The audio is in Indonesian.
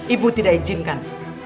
ibu tidak izinkan